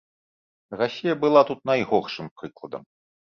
Расія была тут найгоршым прыкладам.